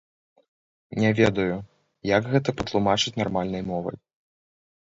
Не ведаю, як гэта патлумачыць нармальнай мовай.